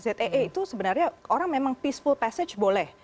zee itu sebenarnya orang memang peaceful passage boleh